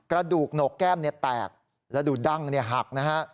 กระดูกโหนกแก้มเนี่ยแตกระดูกดั่งเนี่ยหักนะฮะ